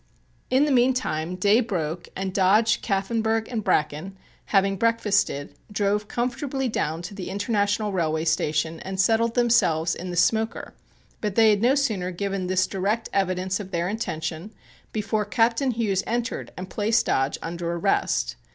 In the meantime day broke and Dodge, Kaffenburgh and Bracken, having breakfasted, drove comfortably down to the International Railway Station and settled themselves in the smoker, but they had no sooner given this direct evidence of their intention before Captain Hughes entered and placed Dodge under arrest.